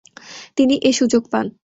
তিনি এ সুযোগ পান।